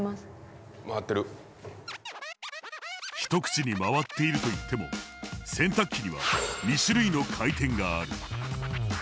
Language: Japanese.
一口に「回っている」といっても洗濯機には２種類の回転がある。